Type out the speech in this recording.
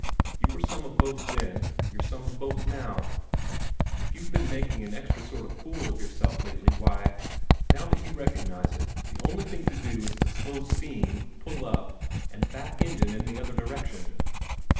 You were some of both then; you're some of both now. If you've been making an extra sort of fool of yourself lately, why, now that you recognize it, the only thing to do is to slow steam, pull up, and back engine in the other direction.